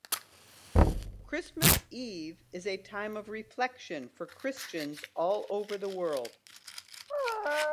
Christmas Eve is a time of reflection for Christians all over the world.